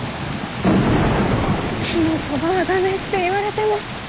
木のそばは駄目って言われても。